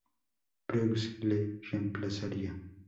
Preux le reemplazaría.